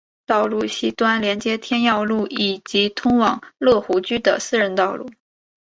道路西端连接天耀路以及通往乐湖居的私人道路。